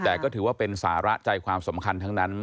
แต่ก็ถือว่าเป็นสาระใจความสำคัญทั้งนั้น